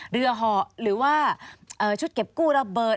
เรือเหาะหรือว่าชุดเก็บกู้ระเบิด